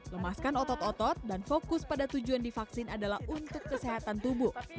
lemaskan otot otot dan fokus pada tujuan divaksin adalah untuk kesehatan tubuh